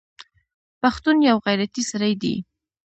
پښتون یوغیرتي سړی دی